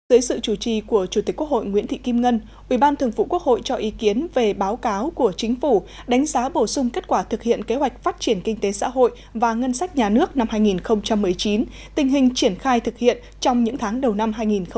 dưới sự chủ trì của chủ tịch quốc hội nguyễn thị kim ngân ủy ban thường vụ quốc hội cho ý kiến về báo cáo của chính phủ đánh giá bổ sung kết quả thực hiện kế hoạch phát triển kinh tế xã hội và ngân sách nhà nước năm hai nghìn một mươi chín tình hình triển khai thực hiện trong những tháng đầu năm hai nghìn hai mươi